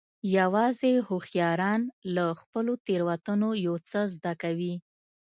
یوازې هوښیاران له خپلو تېروتنو یو څه زده کوي.